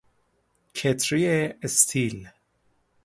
کتری استیل